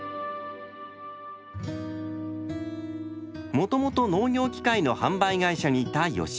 もともと農業機械の販売会社にいた吉岡さん。